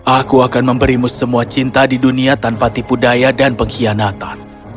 aku akan memberimu semua cinta di dunia tanpa tipu daya dan pengkhianatan